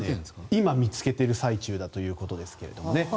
今、見つけている最中だということです。